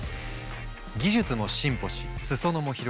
技術も進歩し裾野も広がり